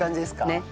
ねっ。